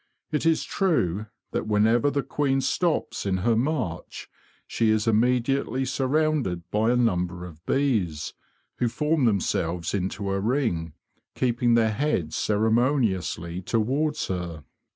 It is true that whenever the queen stops in 'her march she is immediately surrounded by a number of bees, who form them selves into a ring, keeping their heads ceremoniously towards her.